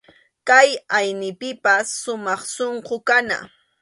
Kay aynipipas sumaq sunqu kana.